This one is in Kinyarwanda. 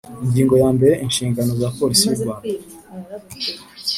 Ingingo ya mbere Inshingano za Polisi y urwanda